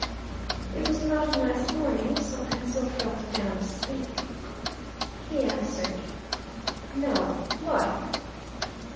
It was not a nice morning, so Ansell felt bound to speak. He answered: "No. Why?"